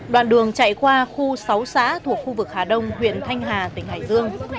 đoạn đường chạy qua khu sáu xã thuộc khu vực hà đông huyện thanh hà tỉnh hải dương